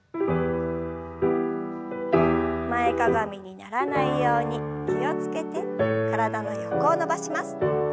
前かがみにならないように気を付けて体の横を伸ばします。